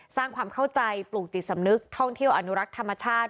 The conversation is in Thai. สร้างความเข้าใจปลูกจิตสำนึกท่องเที่ยวอนุรักษ์ธรรมชาติ